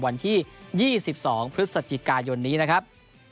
วันที่๒๒พฤศจิกายนนี้นะครับ